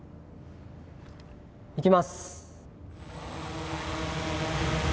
いきます。